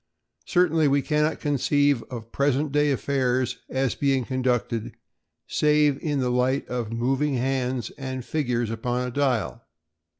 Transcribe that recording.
Certainly we cannot conceive of present day affairs as being conducted save in the light of moving hands and figures upon a dial.